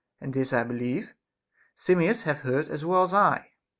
And this I believe Simmias hath heard as well as I.